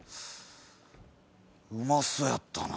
うまそうやったな。